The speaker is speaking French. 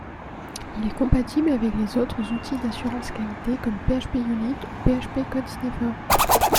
Il est compatible avec les autres outils d'assurance qualité comme PHPUnit ou PHP CodeSniffer